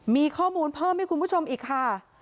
มีข้อมูลเพิ่มให้คุณผู้ชมอีกค่ะ